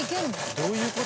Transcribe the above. どういうこと？